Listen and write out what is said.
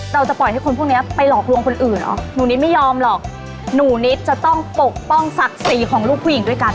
เราจะปล่อยให้คนพวกนี้ไปหลอกลวงคนอื่นเหรอหนูนิดไม่ยอมหรอกหนูนิดจะต้องปกป้องศักดิ์ศรีของลูกผู้หญิงด้วยกัน